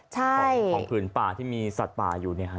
ของผืนป่าที่มีสัตว์ป่าอยู่เนี่ยฮะ